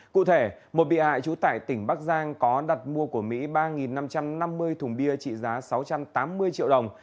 cụ thể một bị hại trú tại tỉnh bắc giang có đặt mua của mỹ ba năm trăm năm mươi thùng bia trị giá sáu trăm tám mươi triệu đồng